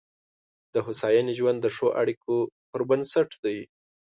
د هوساینې ژوند د ښو اړیکو پر بنسټ دی.